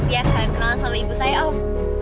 ya sekalian kenalan sama ibu saya om